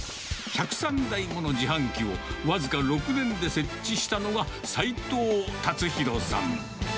１０３台もの自販機を、僅か６年で設置したのが齋藤辰洋さん。